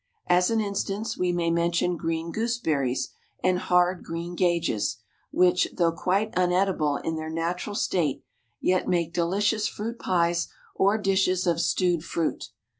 As an instance we may mention green gooseberries and hard greengages, which, though quite uneatable in their natural state, yet make delicious fruit pies or dishes of stewed fruit.